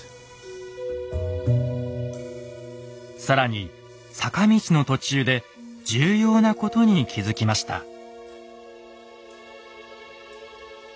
更に坂道の途中で重要なことに気付きました。